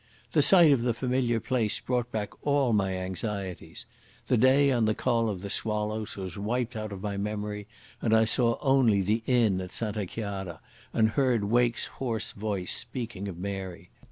The sight of the familiar place brought back all my anxieties. The day on the Col of the Swallows was wiped out of my memory, and I saw only the inn at Santa Chiara, and heard Wake's hoarse voice speaking of Mary.